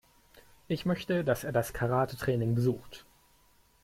Ich möchte, dass er das Karatetraining besucht.